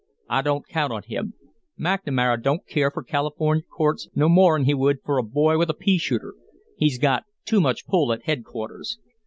"I don't count on him. McNamara don't care for California courts no more 'n he would for a boy with a pea shooter he's got too much pull at headquarters.